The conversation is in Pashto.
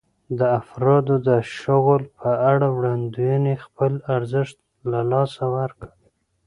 د افرادو د شغل په اړه وړاندوېنې خپل ارزښت له لاسه ورکړ.